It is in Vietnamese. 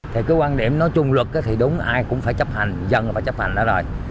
thì cứ quan điểm nói chung luật thì đúng ai cũng phải chấp hành dân cũng phải chấp hành đó rồi